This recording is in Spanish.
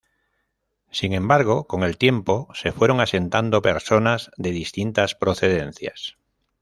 Sin embargo, con el tiempo se fueron asentando personas de distintas procedencias.